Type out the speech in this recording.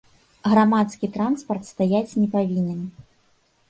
Грамадскі транспарт стаяць не павінен.